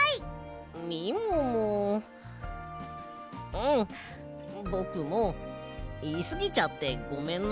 うんぼくもいいすぎちゃってごめんな。